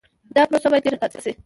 دا پروسه باید ډېر ساده شي.